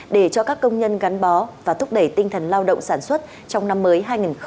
để cho các công nhân gắn bó và thúc đẩy tinh thần lao động sản xuất trong năm mới hai nghìn hai mươi